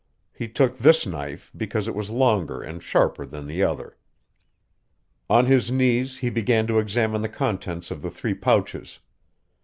He took this knife because it was longer and sharper than the other. On his knees he began to examine the contents of the three pouches.